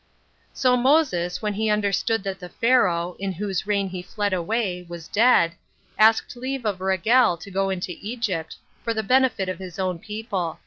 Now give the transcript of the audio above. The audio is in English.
1. So Moses, when he understood that the Pharaoh, in whose reign he fled away, was dead, asked leave of Raguel to go to Egypt, for the benefit of his own people.